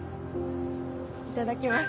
いただきます。